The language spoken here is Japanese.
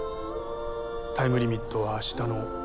タイムリミットは明日の。